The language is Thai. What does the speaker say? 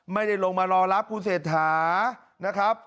ไม่ได้ลงมารอรับคุณเศรษฐา